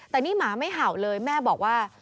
แต่นี่หมาไม่เห่าเลยแม่บอกว่า